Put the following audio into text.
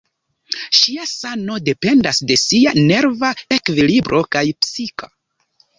Ŝia sano dependas de sia nerva ekvilibro, kaj psika.